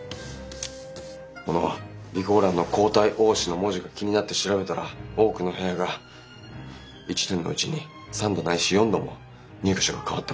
この備考欄の「交代多し」の文字が気になって調べたら多くの部屋が一年のうちに３度ないし４度も入居者が変わってました。